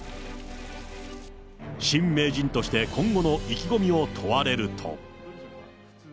新名人として今後の意気込みを問われると。